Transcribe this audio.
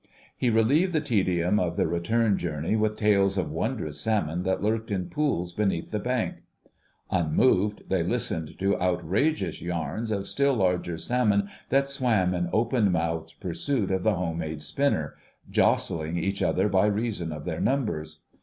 He relieved the tedium of the return journey with tales of wondrous salmon that lurked in pools beneath the bank; unmoved they listened to outrageous yarns of still larger salmon that swam in open mouthed pursuit of the home made spinner, jostling each other by reason of their numbers.